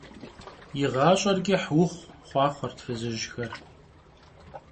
Yi ğaş'er ç'ıh vuxhu! - xhuaxhuert fızıjxer.